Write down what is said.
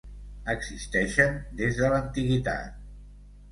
Existeixen des de l'antiguitat.